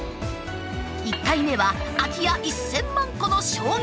１回目は「空き家１，０００万戸の衝撃」。